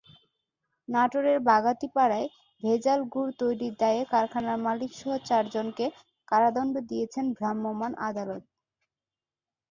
নাটোরের বাগাতিপাড়ায় ভেজাল গুড় তৈরির দায়ে কারখানার মালিকসহ চারজনকে কারাদণ্ড দিয়েছেন ভ্রাম্যমাণ আদালত।